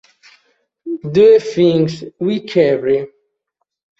The Things We Carry